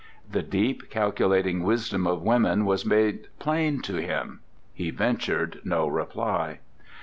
The deep, calculating wisdom of women was made plain to him. He ventured no reply.